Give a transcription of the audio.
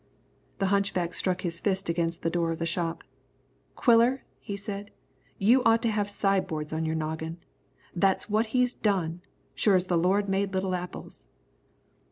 The hunchback struck his fist against the door of the shop. "Quiller," he said, "you ought to have sideboards on your noggin. That's what he's done, sure as the Lord made little apples!"